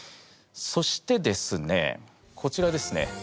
そしてですねこちらですね